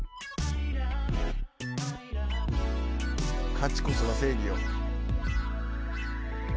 勝ちこそが正義よ。